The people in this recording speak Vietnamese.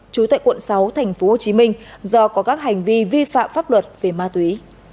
trú tại quận sáu tp hcm do có các hành vi vi phạm pháp luật về ma túy